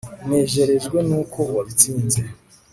nejerejwe n'uko wabatsinze